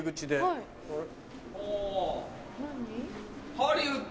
ハリウッド